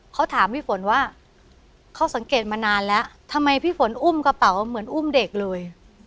เขาถามพี่ฝนว่าเขาสังเกตมานานแล้วทำไมพี่ฝนอุ้มกระเป๋าเหมือนอุ้มเด็กเลย